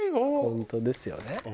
本当ですよね。